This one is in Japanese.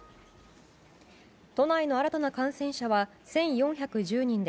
都内の新たな感染者は１４１０人で